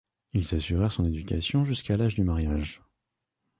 Ils assurèrent son éducation jusqu'à l'âge du mariage.